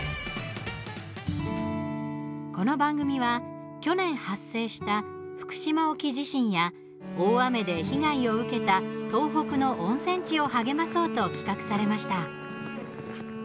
この番組は、去年発生した福島沖地震や大雨で被害を受けた東北の温泉地を励まそうと企画されました。